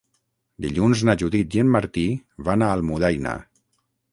Dilluns na Judit i en Martí van a Almudaina.